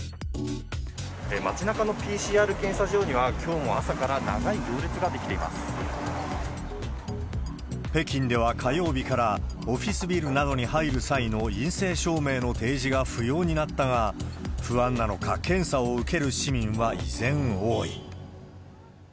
町なかのＰＣＲ検査場には、きょうも朝から長い行列が出来て北京では火曜日から、オフィスビルなどに入る際の陰性証明の提示が不要になったが、不安なのか、検査を受ける市民は依然多い。